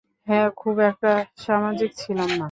হ্যাঁ, খুব একটা সামাজিক ছিলাম না।